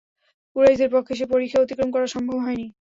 কুরাইশদের পক্ষে সে পরিখা অতিক্রম করা সম্ভব হয়নি।